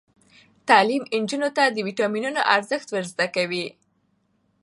تعلیم نجونو ته د ویټامینونو ارزښت ور زده کوي.